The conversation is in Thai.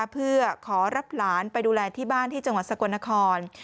เพื่อขอรับหลานไปดูแลที่บ้านที่จังหวัดสกลนคร